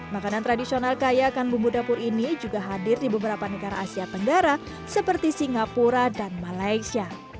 makanan tradisional kaya akan bumbu dapur ini juga hadir di beberapa negara asia tenggara seperti singapura dan malaysia